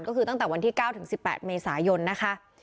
ก็คือตั้งแต่วันที่๙ถึง๑๘เมษายนนะคะ